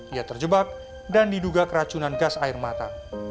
ia terjebak dan diduga keracunan gas air mata